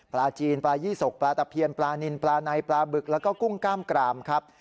ปลาจีนปลายี่สกปลาตะเพียนปลานินปลาในปลาบึกแล้วก็กุ้งกล้ามกรามครับ